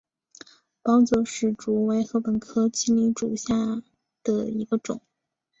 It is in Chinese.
包箨矢竹为禾本科青篱竹属下的一个种。